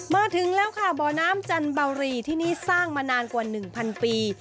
มาถึงแล้วค่ะบ่อน้ำจันบารีที่นี่สร้างมานานกว่า๑๐๐ปี